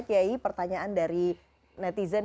kaya i pertanyaan dari netizen